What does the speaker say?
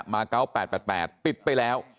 มา๙๘๘ปิดไปแล้ว